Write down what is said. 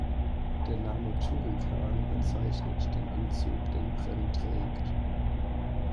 Der Name "Turrican" bezeichnet den Anzug, den Bren trägt.